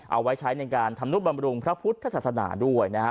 เอาไว้ใช้ในการทำนุบำรุงพระพุทธศาสนาด้วยนะฮะ